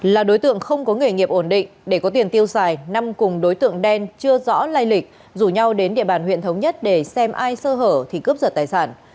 là đối tượng không có nghề nghiệp ổn định để có tiền tiêu xài nam cùng đối tượng đen chưa rõ lai lịch rủ nhau đến địa bàn huyện thống nhất để xem ai sơ hở thì cướp giật tài sản